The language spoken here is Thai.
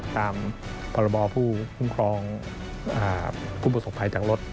ตามพรบผู้คุ้มครองผู้ประสบภัยจากรถ